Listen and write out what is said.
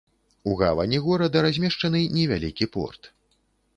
У гавані горада размешчаны невялікі порт.